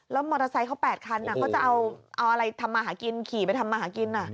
แล้วมอเตอร์ไซค์เขา๘คันเขาจะเอาอะไรทำมาหากินขี่ไปทำมาหากิน